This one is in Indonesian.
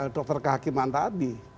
dokter kehakiman tadi